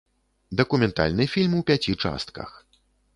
Дакументальны фільм у пяці частках.